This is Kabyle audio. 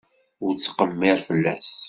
Ur ttqemmir fell-as.